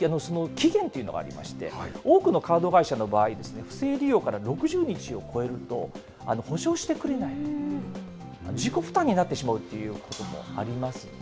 しかしこれ、期限というのがありまして、多くのカード会社の場合、不正利用から６０日を超えると、補償してくれない、自己負担になってしまうということもあります